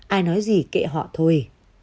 ai nói gì kệ họ thôi